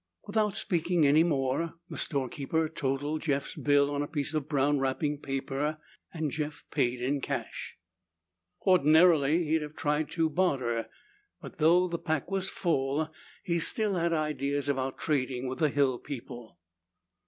Without speaking any more, the storekeeper totaled Jeff's bill on a piece of brown wrapping paper and Jeff paid in cash. Ordinarily he'd have tried to barter, but, though the pack was full, he still had ideas about trading with the hill people.